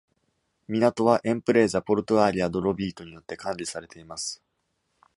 港は Empresa Portuaria do Lobito によって管理されています。